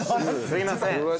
すいません。